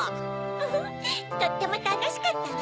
フフフとってもたのしかったわ。